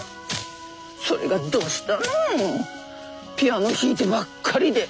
それがどしたのピアノ弾いてばっかりで。